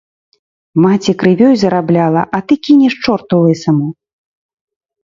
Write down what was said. Маці крывёй зарабляла, а ты кінеш чорту лысаму.